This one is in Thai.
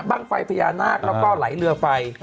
ไฟพญานาคแล้วก็ไหลเรือไฟ